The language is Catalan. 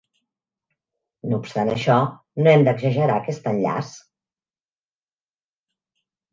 No obstant això, no hem d'exagerar aquest enllaç.